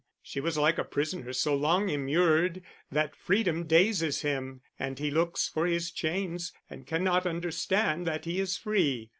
She was like a prisoner so long immured that freedom dazes him, and he looks for his chains, and cannot understand that he is free.